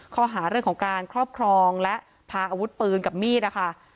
ข้อหาเรื่องของการครอบครองและพาอาวุธปืนกับมีดนะคะ